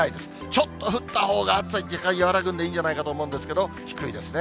ちょっと降ったほうが、暑さじゃっかん和らぐんでいいんじゃないかと思うんですけど、低いですね。